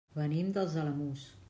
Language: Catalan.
Venim dels Alamús.